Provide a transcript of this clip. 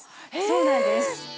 そうなんです。